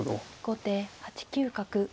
後手８九角。